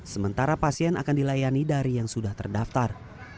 sementara pasien akan dilayani dari yang sudah terdaftar